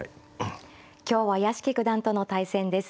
今日は屋敷九段との対戦です。